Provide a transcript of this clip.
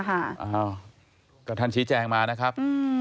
อ้าวก็ท่านชี้แจงมานะครับ